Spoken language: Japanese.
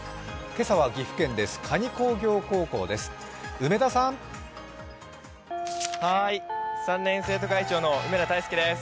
今朝は岐阜県です